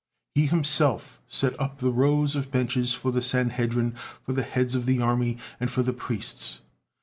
He himself set up the rows of benches for the Sanhedrin, for the heads of the army, and for the priests.